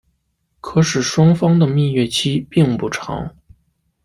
可使双方的蜜月期并不长。